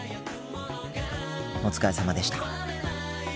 お疲れさまでした。